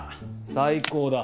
最高だ。